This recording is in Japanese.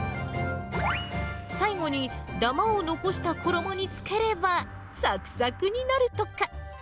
最後に、だまを残した衣につければ、さくさくになるとか。